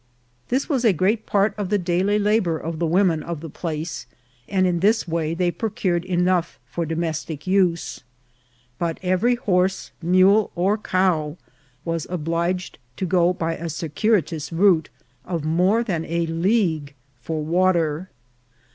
This was a great part of the daily labour of the women of the place, and in this way they procured enough for domes tic use ; but every horse, mule, or cow was obliged to go b^ a circuitous road of more than a league for water.